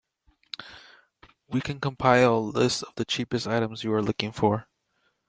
We can compile a list of the cheapest items you are looking for.